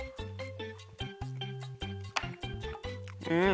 うん！